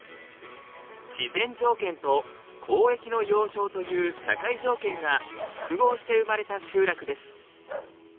自然条件と交易の要衝という社会条件が複合して生まれた集落です。